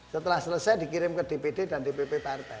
setelah selesai dikirim ke dpd dan dpp partai